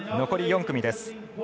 残り４組です。